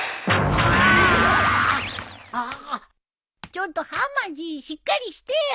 ちょっとはまじしっかりしてよ！